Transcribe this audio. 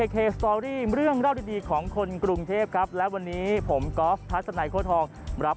คุณผู้ชมครับแน่นอนครับ